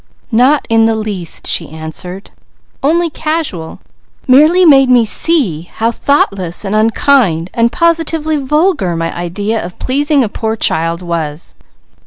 "Not in the least!" she answered. "Only casual! Merely made me see how thoughtless and unkind and positively vulgar my idea of pleasing a poor child was."